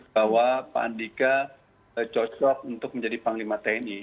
bahwa pak andika cocok untuk menjadi panglima tni